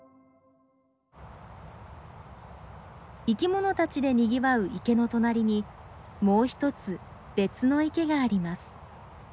生きものたちでにぎわう池の隣にもう１つ別の池があります。